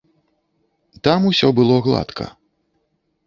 Там усё было гладка.